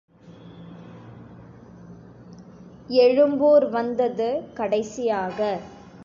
எழும்பூர் வந்தது கடைசியாக.